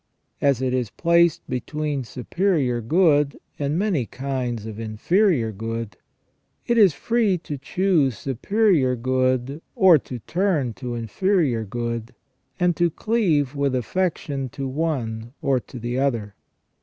As it is placed between superior good and many kinds of inferior good, it is free to choose superior good or to turn to inferior good, and to cleave with affection to one or to the other.